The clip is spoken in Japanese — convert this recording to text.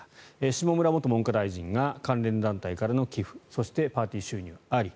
下村元文科大臣が関連団体からの寄付そして、パーティー収入あり。